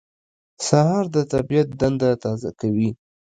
سهار د طبیعت دنده تازه کوي.